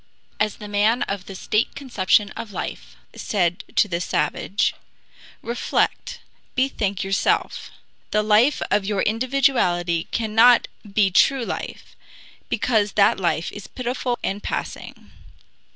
As the man of the stale conception of life said to the savage: Reflect, bethink yourself! The life of your individuality cannot be true life, because that life is pitiful and passing.